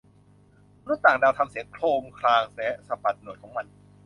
มนุษย์ต่างดาวทำเสียงโครกครางและสะบัดหนวดของมัน